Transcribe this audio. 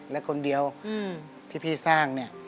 และคนเดียวที่พี่สร้างเนี่ย